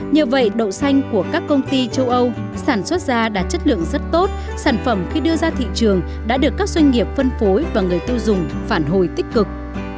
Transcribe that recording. nhờ vậy đậu xanh của các công ty châu âu sản xuất ra đã chất lượng rất tốt sản phẩm khi đưa ra thị trường đã được các doanh nghiệp phân phối và người tiêu dùng phản hồi tích cực